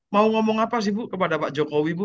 mau ngomong apa sih bu kepada pak jokowi bu